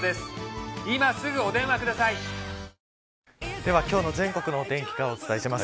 では今日の全国のお天気からお伝えします。